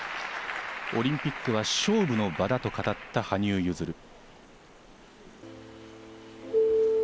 オリンピックは勝負の場だと語った羽生結弦。